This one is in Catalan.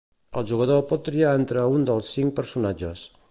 El jugador pot triar entre un dels cinc personatges.